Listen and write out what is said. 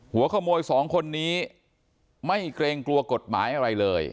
หัวขโมยสองคนนี้ไม่เกรงกลัวกฎหมายอะไรเลย